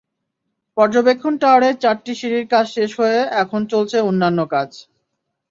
পর্যবেক্ষণ টাওয়ারের চারটি সিঁড়ির কাজ শেষ হয়ে এখন চলছে অন্যান্য কাজ।